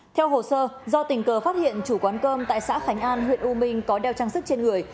theo hồ sơ do tình cờ phát hiện chủ quán cơm tại xã khánh an huyện u minh có đeo trang sức trên người